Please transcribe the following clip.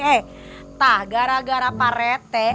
eh tak gara gara parete